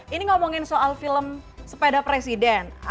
ini ngomongin soal film sepeda presiden